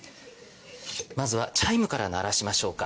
まずはチャイムから鳴らしましょうか。